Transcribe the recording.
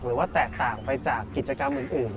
หรือว่าแตกต่างไปจากกิจกรรมอื่น